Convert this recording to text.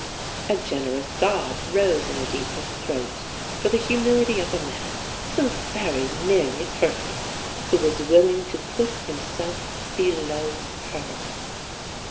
A generous sob rose in Editha's throat for the humility of a man, so very nearly perfect, who was willing to put himself below her.